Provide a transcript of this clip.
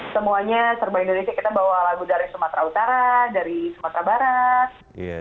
semuanya serba indonesia kita bawa lagu dari sumatera utara dari sumatera barat